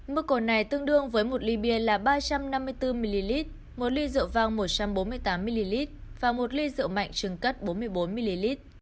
mức cồn này tương đương với một ly bia là ba trăm năm mươi bốn ml một ly rượu vang một trăm bốn mươi tám ml và một ly rượu mạnh trường cất bốn mươi bốn ml